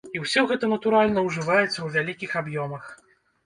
І ўсё гэта, натуральна, ужываецца ў вялікіх аб'ёмах.